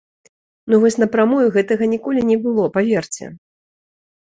Ну вось напрамую гэтага ніколі не было, паверце!